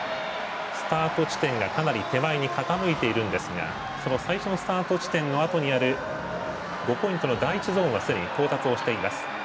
スタート地点が、かなり手前に傾いているんですが最初のスタート地点のあとにある５ポイントの第１ゾーンはすでに到達しています。